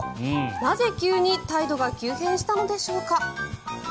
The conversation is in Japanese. なぜ、急に態度が急変したのでしょうか。